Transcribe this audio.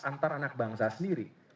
antar anak bangsa sendiri